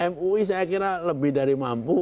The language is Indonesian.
mui saya kira lebih dari mampu